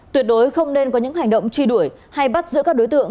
tuyệt đối không nên có những hành động truy đuổi hay bắt giữ các đối tượng